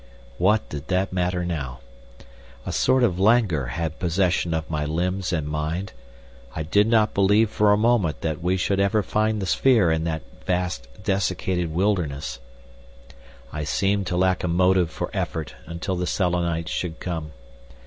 What did that matter now? A sort of languor had possession of my limbs and mind, I did not believe for a moment that we should ever find the sphere in that vast desiccated wilderness. I seemed to lack a motive for effort until the Selenites should come.